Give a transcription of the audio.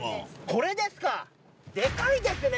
これですか？